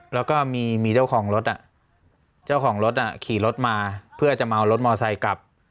แล้วก็มีเจ้าของรถเจ้าของรถขี่รถมาเพื่อจะมาเอารถมอไซค์กลับ